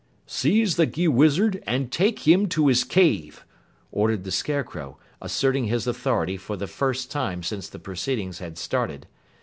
"Seize the Gheewizard and take him to his cave," ordered the Scarecrow, asserting his authority for the first time since the proceedings has started.